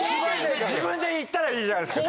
・自分でいったらいいじゃないですか。